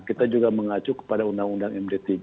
kita juga mengacu kepada undang undang md tiga